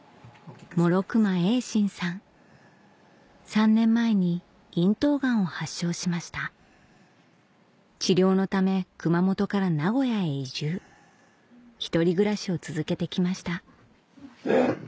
３年前に咽頭がんを発症しました治療のため熊本から名古屋へ移住一人暮らしを続けてきました